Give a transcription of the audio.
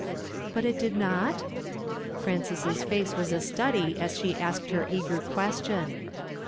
" But it did not? " Frances's face was a study as she asked her eager question.